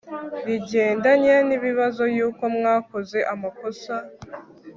rigendanye nibibazo yuko mwakoze amakosa